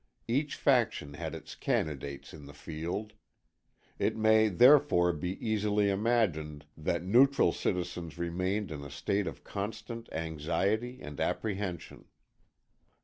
Each faction had its candidates in the field. It may, therefore, be easily imagined that neutral citizens remained in a state of constant anxiety and apprehension.